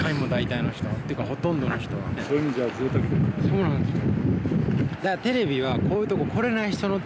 そうなんですよ。